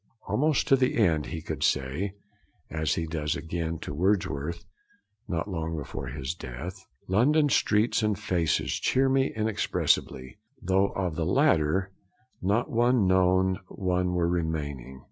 Almost to the end, he could say (as he does again to Wordsworth, not long before his death), 'London streets and faces cheer me inexpressibly, though of the latter not one known one were remaining.'